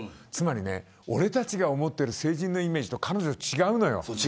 つまり俺たちが思っている成人のイメージと彼女のは違うのよ。